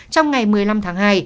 trong ngày một mươi năm tháng hai